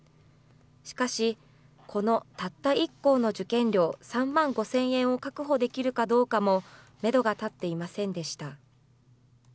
しかし、このたった１校の受験料３万５０００円を確保できるかどうかも、メドが立っていませんでした。